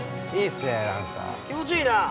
◆気持ちいいなー。